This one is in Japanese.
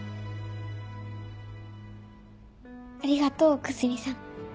ありがとう奥泉さん。